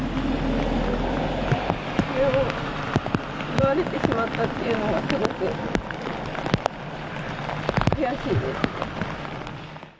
それを奪われてしまったっていうのがすごく悔しいです。